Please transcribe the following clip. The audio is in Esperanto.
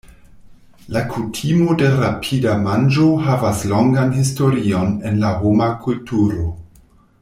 La kutimo de rapida manĝo havas longan historion en la homa kulturo.